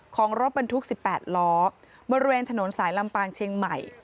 ของรถบรรทุก๑๘ล้อบริเวณถนนสายลำปางเชียงใหม่